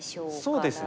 そうですね。